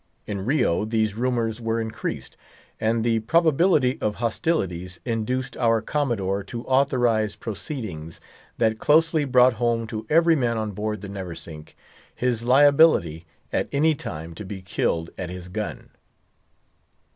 In Rio these rumours were increased; and the probability of hostilities induced our Commodore to authorize proceedings that closely brought home to every man on board the Neversink his liability at any time to be killed at his gun.